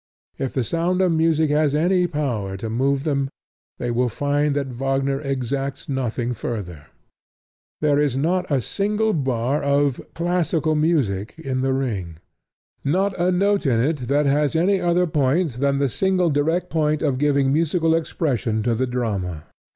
If the sound of music has any power to move them, they will find that Wagner exacts nothing further. There is not a single bar of "classical music" in The Ring not a note in it that has any other point than the single direct point of giving musical expression to the drama.